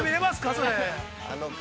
それ。